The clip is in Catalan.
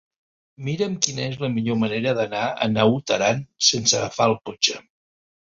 Mira'm quina és la millor manera d'anar a Naut Aran sense agafar el cotxe.